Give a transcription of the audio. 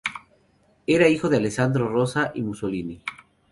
Era hijo de Alessandro y Rosa Mussolini.